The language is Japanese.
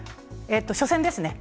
初戦ですね。